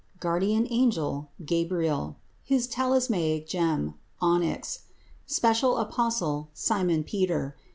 Guardian angel Gabriel. His talismanic gem Onyx. Special apostle Simon Peter.